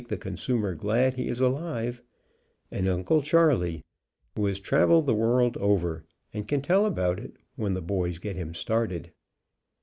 139 the consumer glad he is alive; and Uncle Charley, who has traveled the world over, and can tell about it, when the boys get him started.